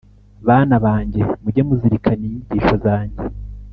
Bana banjye, mujye muzirikana inyigisho zanjye!